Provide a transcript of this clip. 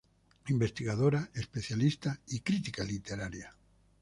Investigadora, especialista y crítica literaria.